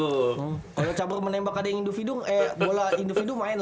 kalau cabur menembak ada yang induvidu eh bola induvidu main lah